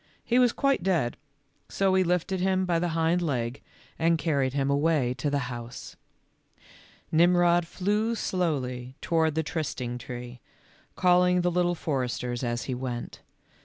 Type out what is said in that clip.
He was quite dead, so he lifted him by the hind leg and carried him away to the house. Nirnrod flew slowly toward the trysting tree, calling the Little Foresters as he went.